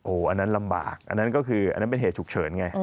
อันนั้นลำบากอันนั้นก็คืออันนั้นเป็นเหตุฉุกเฉินไง